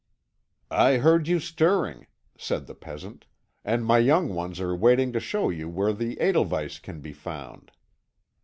"I heard you stirring," said the peasant, "and my young ones are waiting to show you where the edelweiss can be found."